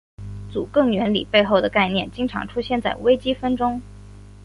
祖暅原理背后的概念经常出现在微积分中。